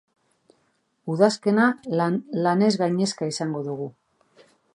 Udazkena lanez gainezka izango dugu.